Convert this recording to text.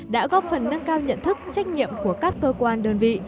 đã góp phần nâng cao nhận thức trách nhiệm của các cơ quan đơn vị